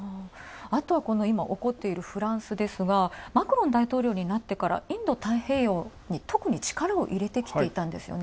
あとは今起こっているフランですがマクロン大統領になってからインド、太平洋に力を入れてきていたんですよね。